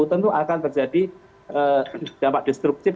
tentu akan terjadi dampak destruktif